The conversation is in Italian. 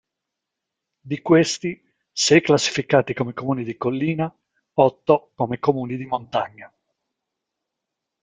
Di questi, sei classificati come comuni di collina, otto come comuni di montagna.